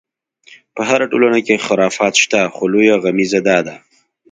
په هره ټولنه کې خرافات شته، خو لویه غمیزه دا ده.